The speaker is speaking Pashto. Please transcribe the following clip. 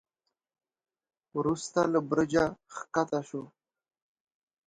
وروسته له برجه کښته شو.